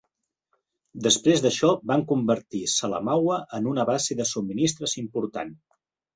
Després d'això van convertir Salamaua en una base de subministres important.